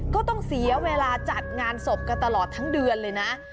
ก็ต้องเสียเวลาจัดงานศพกันตลอดทั้งเดือนเลยนะ